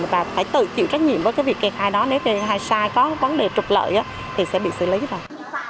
và phải tự chịu trách nhiệm với cái việc kết khai đó nếu hay sai có vấn đề trục lợi thì sẽ bị xử lý rồi